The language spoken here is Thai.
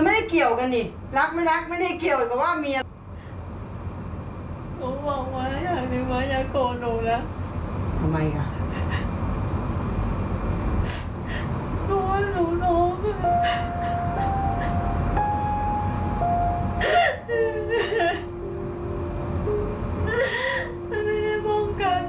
เราไม่ได้มองกัน